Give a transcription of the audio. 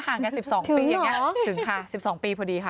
กัน๑๒ปีอย่างนี้ถึงค่ะ๑๒ปีพอดีค่ะ